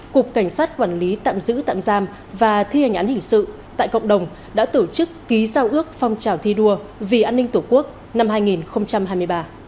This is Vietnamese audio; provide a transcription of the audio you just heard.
cục cảnh sát quản lý tạm giữ tạm giam và thi hành án hình sự tại cộng đồng đã tổ chức ký giao ước phong trào thi đua vì an ninh tổ quốc năm hai nghìn hai mươi ba